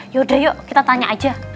ya udah kita tanya aja